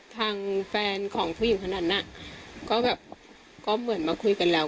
ทางแฟนของผู้หญิงขนาดนั้นก็เหมือนมาคุยกันแล้ว